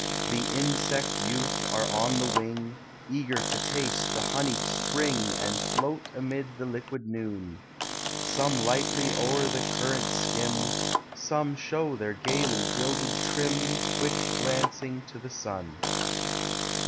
The insect youth are on the wing, Eager to taste the honeyed spring And float amid the liquid noon: Some lightly o'er the current skim, Some show their gayly gilded trim Quick glancing to the sun.